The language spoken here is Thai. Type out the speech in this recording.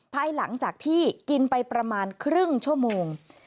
ภายหลังจากที่กินไปประมาณครึ่งชั่วโมง